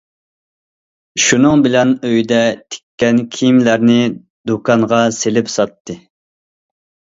شۇنىڭ بىلەن ئۆيدە تىككەن كىيىملەرنى دۇكانغا سېلىپ ساتتى.